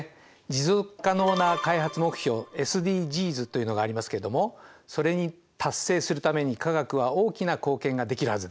持続可能な開発目標ＳＤＧｓというのがありますけれどもそれに達成するために化学は大きな貢献ができるはずです。